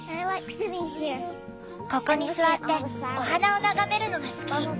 ここに座ってお花を眺めるのが好き。